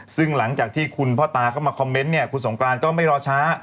ซึ่งหลังจากที่คุณพ่อตาเข้ามาคอมเมนต์เนี่ยคุณสงกรานก็ไม่รอช้า